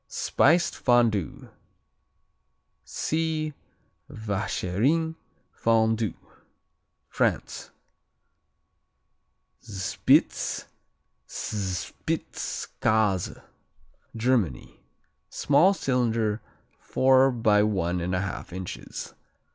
Spiced Fondue see Vacherin Fondu. France Spitz Spitzkase Germany Small cylinder, four by one and a half inches.